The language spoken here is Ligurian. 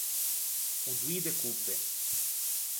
O doî de coppe.